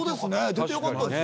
出てよかったです。